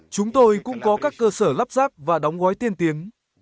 chúng tôi cũng có các cơ sở lắp ráp và đóng gói tiên tiến